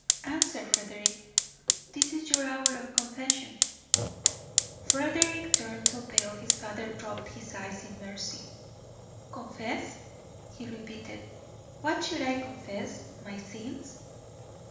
Answer, Frederick; this is your hour for confession." Frederick turned so pale his father dropped his eyes in mercy. "Confess?" he repeated. "What should I confess? My sins?